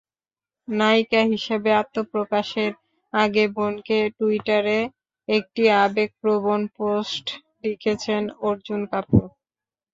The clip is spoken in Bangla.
নায়িকা হিসেবে আত্মপ্রকাশের আগে বোনকে টুইটারে একটি আবেগপ্রবণ পোস্ট লিখেছেন অর্জুন কাপুর।